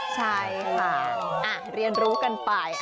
ใช่ค่ะเรียนรู้กันไป